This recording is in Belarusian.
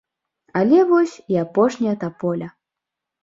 Але вось і апошняя таполя.